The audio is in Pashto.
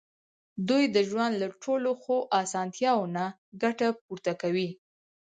دوی د ژوند له ټولو ښو اسانتیاوو نه ګټه پورته کوي.